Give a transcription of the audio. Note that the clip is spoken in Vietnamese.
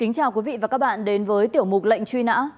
xin chào quý vị và các bạn đến với tiểu mục lệnh truy nã